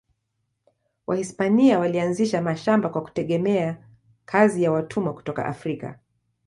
Wahispania walianzisha mashamba kwa kutegemea kazi ya watumwa kutoka Afrika.